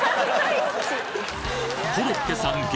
コロッケさん激